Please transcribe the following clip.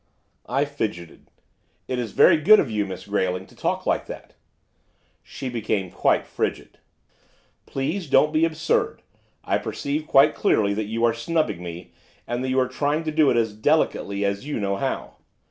I fidgeted. 'It is very good of you, Miss Grayling, to talk like that.' She became quite frigid. 'Please don't be absurd! I perceive quite clearly that you are snubbing me, and that you are trying to do it as delicately as you know how.